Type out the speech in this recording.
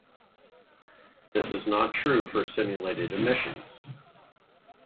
This is not true for stimulated emission.